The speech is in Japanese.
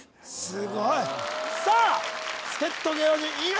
すごいさあ助っ人芸能人猪狩